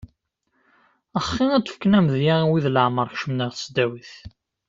Axi ad d-ffken amedya i wid leɛmer kecmen ɣer tesdawit.